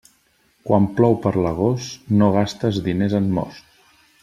Quan plou per l'agost, no gastes diners en most.